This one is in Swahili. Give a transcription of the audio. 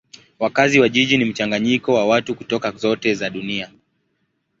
Wakazi wa jiji ni mchanganyiko wa watu kutoka zote za dunia.